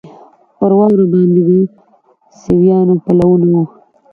پر واوره باندې د سویانو پلونه وو.